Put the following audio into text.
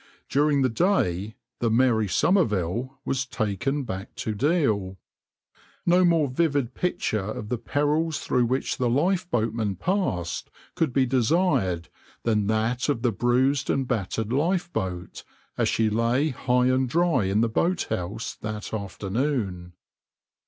During the day the {\itshape{Mary Somerville}} was taken back to Deal. No more vivid picture of the perils through which the lifeboatmen passed could be desired than that of the bruised and battered lifeboat, as she lay high and dry in the boathouse that afternoon.